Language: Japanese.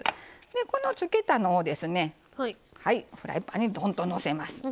このつけたのをですねはいフライパンにドンとのせます。